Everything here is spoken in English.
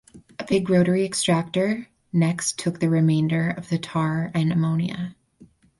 A big rotary extractor next took the remainder of the tar and the ammonia.